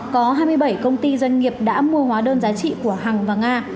có hai mươi bảy công ty doanh nghiệp đã mua hóa đơn giá trị của hằng và nga